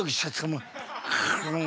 もう。